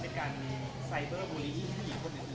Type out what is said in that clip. เป็นการไซเบอร์บุรีให้ผู้หญิงคนอื่นด้านนี้